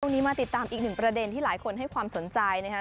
มาติดตามอีกหนึ่งประเด็นที่หลายคนให้ความสนใจนะครับ